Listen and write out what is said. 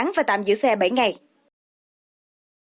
ngoài ra còn có sự hỗ trợ của lực lượng cảnh sát cơ động